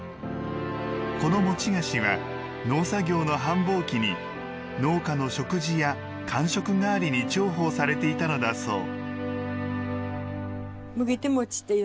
この餅菓子は、農作業の繁忙期に農家の食事や間食代わりに重宝されていたのだそう。